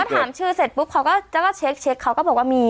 ถามชื่อเสร็จปุ๊บเขาก็จะว่าเช็คเขาก็บอกว่ามี